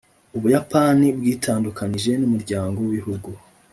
ubuyapani bwitandukanije n’umuryango w’ibihugu